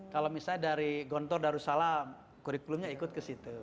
kalau misalnya dari gontor darussalam kurikulumnya ikut ke situ